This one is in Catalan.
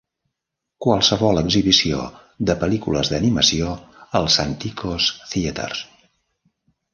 Qualsevol exhibició de pel·lícules d"animació al Santikos Theatres.